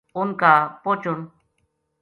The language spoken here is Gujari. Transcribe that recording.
اُنھ کا پوہچن